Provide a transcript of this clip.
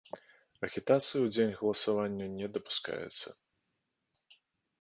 Агітацыя ў дзень галасавання не дапускаецца.